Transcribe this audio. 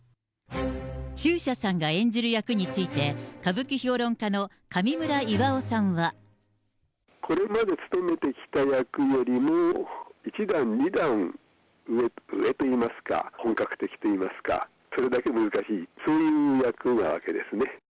中車さんが演じる役について、これまで勤めてきた役よりも、一段、二段上、上といいますか、本格的といいますか、それだけ難しいという役なわけですね。